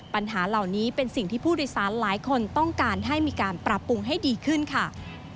ปัญหาเหล่านี้เป็นสิ่งที่ผู้โดยสารหลายคนต้องการให้มีการปรับปรุงให้ดีขึ้นค่ะ